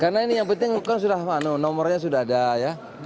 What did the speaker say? karena ini yang penting kan sudah nomornya sudah ada ya